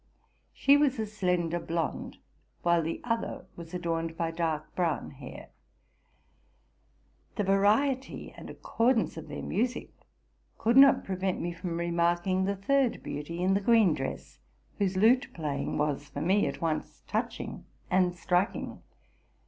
She was a slender blonde, while the other was adorned by dark brown hair. The variety and accordance of their music could not prevent me from remarking the third beauty, in the green dress, whose lute playing was for me at once touching and striking.